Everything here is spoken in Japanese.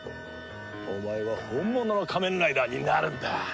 お前は本物の仮面ライダーになるんだ！